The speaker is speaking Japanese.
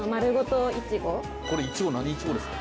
これイチゴ何イチゴですか？